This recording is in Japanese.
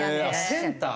センター。